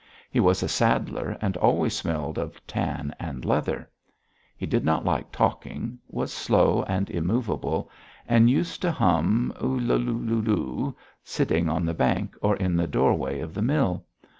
He was a saddler and always smelled of tan and leather. He did not like talking, was slow and immovable, and used to hum "U lu lu lu," sitting on the bank or in the doorway of the mill.